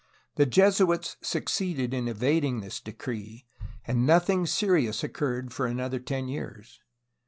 The Jesuits succeeded in evading this decree, and nothing serious occurred for another ten years.